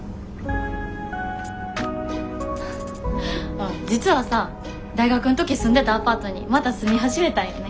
あっ実はさ大学ん時住んでたアパートにまた住み始めたんよね。